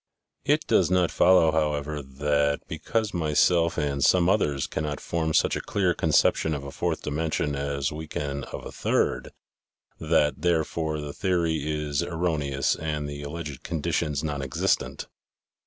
It does not follow, however, that because myself and some others cannot form such a clear conception of a fourth dimension as we can of the third, that, therefore, the theory is erroneous and the alleged conditions non existent.